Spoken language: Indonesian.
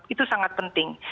itu sangat penting